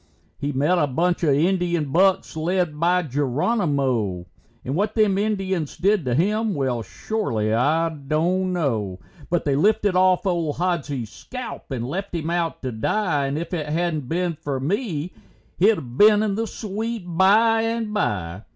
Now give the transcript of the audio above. He met a bunch of Indian bucks led by Geronimo, And what them Indians did to him, well, shorely I don't know. But they lifted off old Hodsie's skelp and left him out to die, And if it hadn't been for me, he'd been in the sweet by and by.